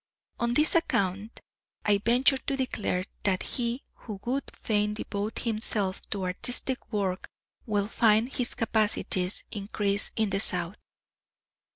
On this account, I venture to declare, that he who would fain devote himself to artistic work will find his capacities increase in the South.